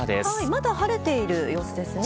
まだ晴れている様子ですね。